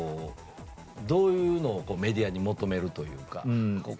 どういうのをメディアに求めるというか。